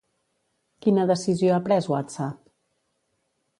Quina decisió ha pres WhatsApp?